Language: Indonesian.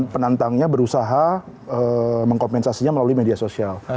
penantangnya berusaha mengkompensasinya melalui media sosial